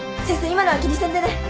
今のは気にせんでね。